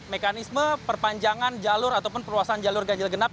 mekanisme perpanjangan jalur ataupun perluasan jalur ganjil genap